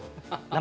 生。